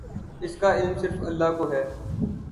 اس کا علم صرف اللہ کو ہے۔